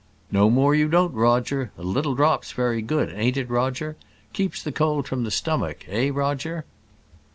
"No more you don't, Roger: a little drop's very good, ain't it, Roger? Keeps the cold from the stomach, eh, Roger?"